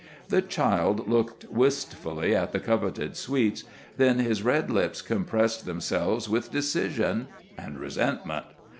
The child looked wistfully at the coveted sweets; then his red lips compressed themselves with decision and resentment.